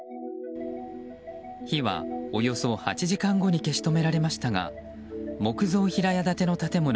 火はおよそ８時間後に消し止められましたが木造平屋建ての建物